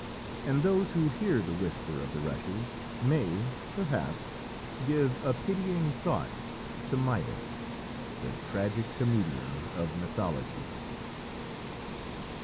And those who hear the whisper of the rushes may, perhaps, give a pitying thought to Midas the tragic comedian of mythology.